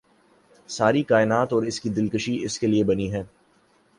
ساری کائنات اور اس کی دلکشی اس کے لیے بنی ہے